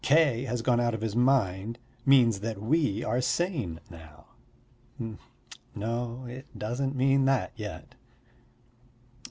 "K. has gone out of his mind, means that we are sane now." No, it doesn't mean that yet.